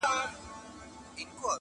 د تصویر پښتو ته ولوېدم په خیال کي؛